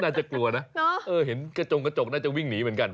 น่าจะกลัวนะเห็นกระจงกระจกน่าจะวิ่งหนีเหมือนกัน